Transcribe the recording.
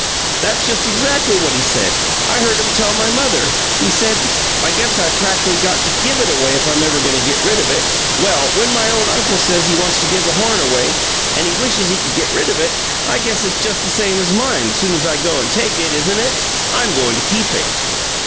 That's just exactly what he said. I heard him tell my mother. He said, 'I guess I prackly got to give it away if I'm ever goin' to get rid of it.' Well, when my own uncle says he wants to give a horn away, and he wishes he could get rid of it, I guess it's just the same as mine, soon as I go and take it, isn't it? I'm goin' to keep it."